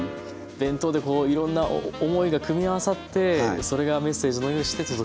弁当でいろんな思いが組み合わさってそれがメッセージのようにして届くと。